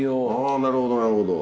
なるほどなるほど。